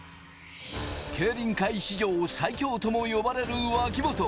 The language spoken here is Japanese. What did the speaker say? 競輪界史上最強とも呼ばれる脇本。